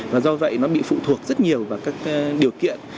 và do vậy nó bị phụ thuộc rất nhiều vào các điều kiện